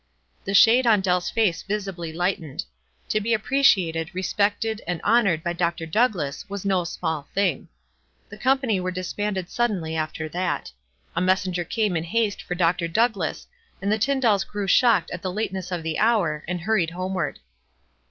The shade on Dell's face visibly lightened. To be appreciated, respected and honored by Dr. Douglass was no small thinsr. The com pany were disbanded suddenly after that. A messenger came in haste for Dr. Douglass, and the Tyndalls grew shocked at the lateness of the hour, and hurried homeward.